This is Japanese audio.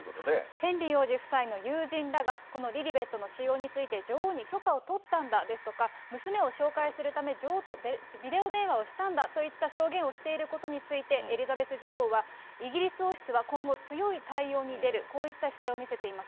ヘンリー王子夫妻が友人らがこのリリベットの使用について、女王に許可を取ったんだとか、娘を紹介するため女王とビデオ電話をしたんだといった証言をしていることについて、エリザベス女王は今後、強い対応に出る、こういった姿勢を見せています。